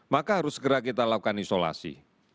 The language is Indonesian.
maka harus segera kita lakukan isolasi